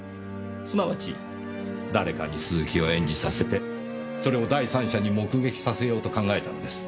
すなわち誰かに鈴木を演じさせてそれを第三者に目撃させようと考えたのです。